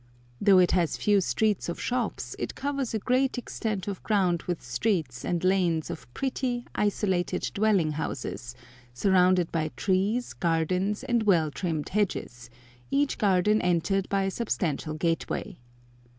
Though it has few streets of shops, it covers a great extent of ground with streets and lanes of pretty, isolated dwelling houses, surrounded by trees, gardens, and well trimmed hedges, each garden entered by a substantial gateway.